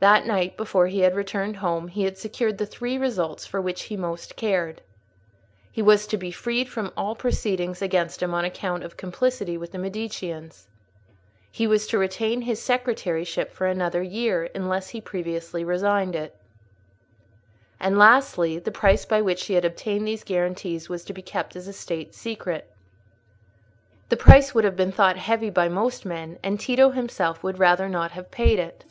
That night, before he returned home, he had secured the three results for which he most cared: he was to be freed from all proceedings against him on account of complicity with the Mediceans; he was to retain his secretaryship for another year, unless he previously resigned it; and, lastly, the price by which he had obtained these guarantees was to be kept as a State secret. The price would have been thought heavy by most men; and Tito himself would rather not have paid it.